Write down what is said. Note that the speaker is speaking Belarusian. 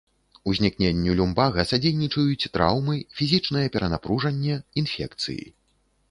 Узнікненню люмбага садзейнічаюць траўмы, фізічнае перанапружанне, інфекцыі.